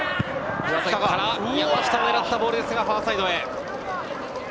小林、山下を狙ったボールですが、ファーサイドへ。